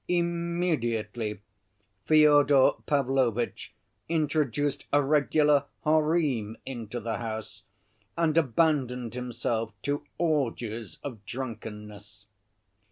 Immediately Fyodor Pavlovitch introduced a regular harem into the house, and abandoned himself to orgies of drunkenness.